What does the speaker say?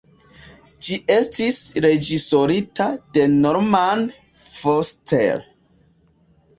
Ĝi estis reĝisorita de Norman Foster.